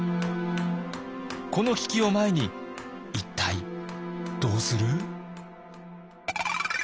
この危機を前に一体どうする？